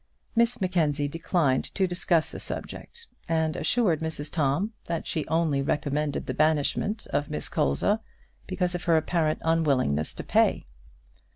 Miss Mackenzie declined to discuss the subject, and assured Mrs Tom that she only recommended the banishment of Miss Colza because of her apparent unwillingness to pay.